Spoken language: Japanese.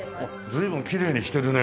随分きれいにしてるね。